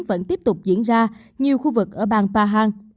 vẫn tiếp tục diễn ra nhiều khu vực ở bang pahang